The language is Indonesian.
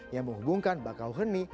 yang menghubungkan bakauheni